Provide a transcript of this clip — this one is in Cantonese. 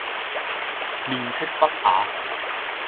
面斥不雅